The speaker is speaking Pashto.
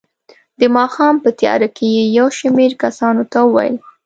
د ماښام په تیاره کې یې یو شمېر کسانو ته وویل.